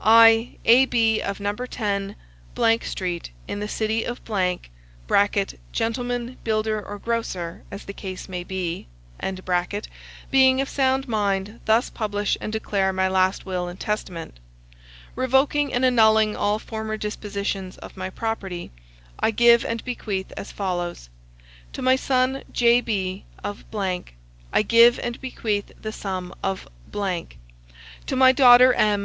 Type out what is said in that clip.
I, A.B., of No. 10, , Street, in the city of [gentleman, builder, or grocer, as the case may be,] being of sound mind, thus publish and declare my last will and testament. Revoking and annulling all former dispositions of my property, I give and bequeath as follows: to my son J.B., of , I give and bequeath the sum of ; to my daughter M.